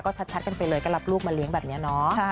ก็ชัดกันไปเลยก็รับลูกมาเลี้ยงแบบนี้เนาะ